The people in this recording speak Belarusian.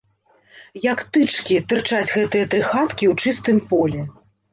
Як тычкі, тырчаць гэтыя тры хаткі ў чыстым полі.